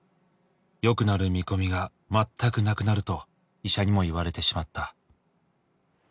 「よくなる見込みが全くなくなると医者にも言われてしまった」